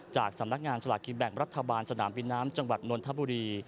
จากสำนักงานสลากกินแบ่งรัฐบาลสนามบินน้ำจังหวัดนนทบุรี